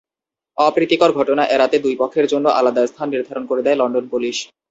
অপ্রীতিকর ঘটনা এড়াতে দুই পক্ষের জন্য আলাদা স্থান নির্ধারণ করে দেয় লন্ডন পুলিশ।